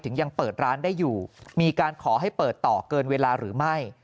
ยังเปิดร้านได้อยู่มีการขอให้เปิดต่อเกินเวลาหรือไม่